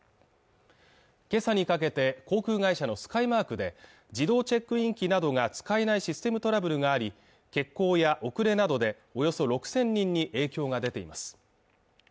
今朝にかけて航空会社のスカイマークで自動チェックイン機などが使えないシステムトラブルがあり欠航や遅れなどでおよそ６０００人に影響が出ています